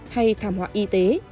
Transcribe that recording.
hay thảm họa y tế